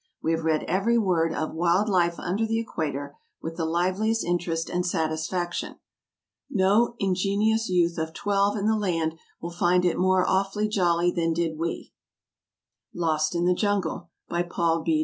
We have read every word of "Wild Life under the Equator" with the liveliest interest and satisfaction No ingenious youth of twelve in the land will find it more "awfully jolly" than did we. N. Y. Evening Post. Lost in the Jungle. By PAUL B.